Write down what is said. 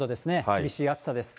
厳しい暑さです。